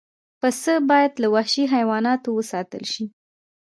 پسه باید له وحشي حیواناتو وساتل شي.